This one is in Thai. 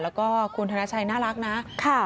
แล้วก็คุณธนชัยน่ารักนะ